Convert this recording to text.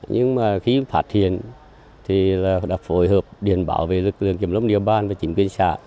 nhưng khi phát hiện đã phối hợp điện bảo vệ lực lượng kiểm lông địa bàn và chính quyền xã